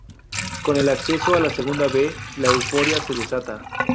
Con el ascenso a Segunda B, la euforia se desata.